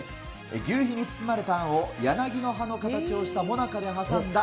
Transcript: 求肥に包まれたあんを柳の形をしたもなかに挟んだ